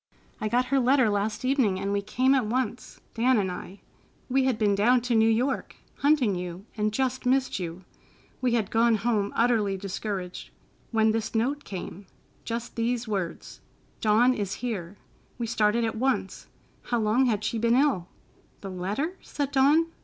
I got her letter last evening, and we came at once, Dan and I. We had been down to New York, hunting you, and just missed you. We had gone home utterly discouraged, when this note came, just these words, 'Dawn is here.' We started at once. How long had she been ill?" "The letter?" said Dawn.